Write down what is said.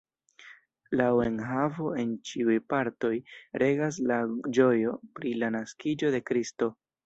Laŭ enhavo en ĉiuj partoj regas la ĝojo pri la naskiĝo de Kristo.